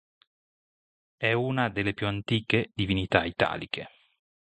È una delle più antiche divinità italiche.